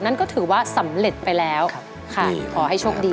นั่นก็ถือว่าสำเร็จไปแล้วค่ะขอให้โชคดี